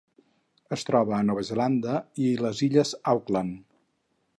Es troba a Nova Zelanda i les Illes Auckland.